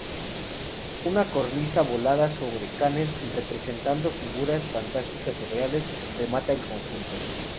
Una cornisa volada sobre canes representando figuras fantásticas o reales, remata el conjunto.